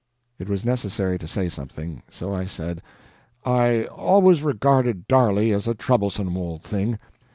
It was necessary to say something so I said: "I always regarded Darley as a troublesome old thing."